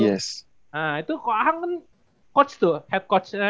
nah itu kok ahang kan coach tuh head coach